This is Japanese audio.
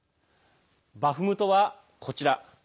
バフムトは、こちら。